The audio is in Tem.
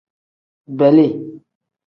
Beeli.